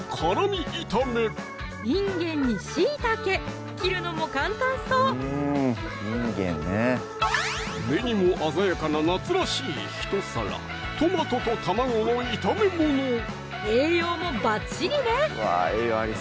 いんげんにしいたけ切るのも簡単そう目にも鮮やかな夏らしいひと皿栄養もバッチリね